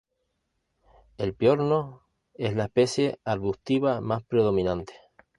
El piorno es la especie arbustiva más predominante.